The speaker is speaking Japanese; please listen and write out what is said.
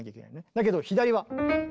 だけど左は。